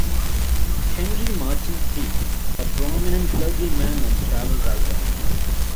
Henry Martyn Field, a prominent clergyman and travel writer.